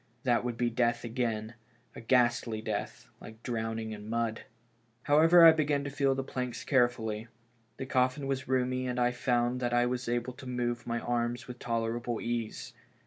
That would be death again, a ghastly death, like drowning in mud. However, I began to feel the planks carefully. The coffin was roomy, and I found that I was able to move my anns with tolerable ease.